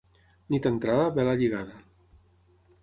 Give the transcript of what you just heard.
Nit entrada, vela lligada.